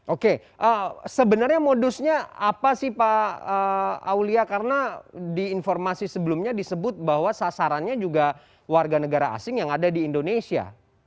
oke sebenarnya modusnya apa sih pak aulia karena di informasi sebelumnya disebut bahwa sasarannya juga warga negara asing yang ada di indonesia